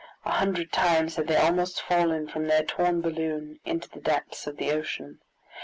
A hundred times had they almost fallen from their torn balloon into the depths of the ocean.